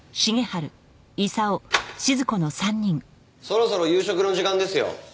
そろそろ夕食の時間ですよ。